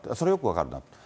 それよく分かるな。